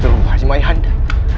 terubah aja kakanda